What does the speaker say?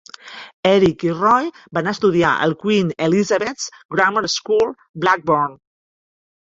Eric i Roy van estudiar al Queen Elizabeths Grammar School, Blackburn.